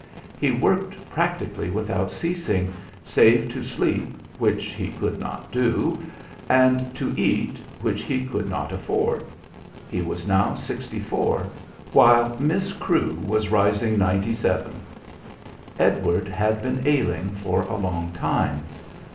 He worked practically without ceasing, save to sleep (which he could not do) and to eat (which he could not afford). He was now sixty four, while Miss Crewe was rising ninety seven. Edward had been ailing for a long time.